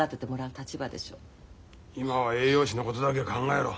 今は栄養士のことだけ考えろ。